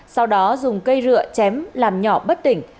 sau đó dùng cây rượu chém làm nhỏ bất tỉnh